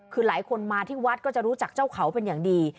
คือหลายคนมาที่วัดก็จะรู้จักเจ้าเขาเป็นอย่างดี